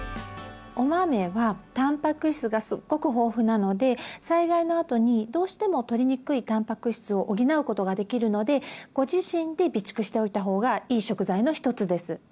お豆はたんぱく質がすごく豊富なので災害の後にどうしても取りにくいたんぱく質を補うことができるのでご自身で備蓄しておいた方がいい食材の１つです。